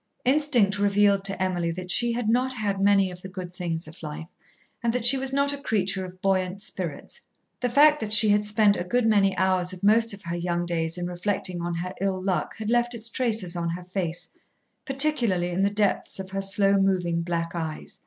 Instinct revealed to Emily that she had not had many of the good things of life, and that she was not a creature of buoyant spirits. The fact that she had spent a good many hours of most of her young days in reflecting on her ill luck had left its traces on her face, particularly in the depths of her slow moving, black eyes.